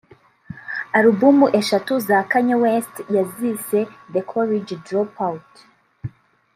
Album eshatu za Kanye West yazise ‘The College Dropout’